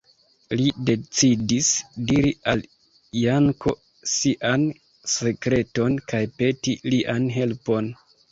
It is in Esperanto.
Li decidis diri al Janko sian sekreton kaj peti lian helpon.